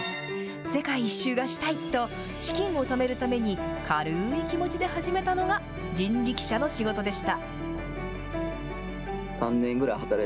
世界一周がしたいと、資金をためるために軽い気持ちで始めたのが、人力車の仕事でした。